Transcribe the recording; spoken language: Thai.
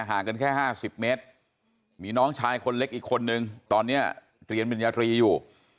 ห่างกันแค่๕๐เมตรมีน้องชายคนเล็กอีกคนนึงตอนนี้เรียนปริญญาตรีอยู่